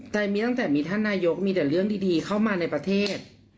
แต่มีตั้งแต่มีท่านนายกมีแต่เรื่องดีเข้ามาในประเทศ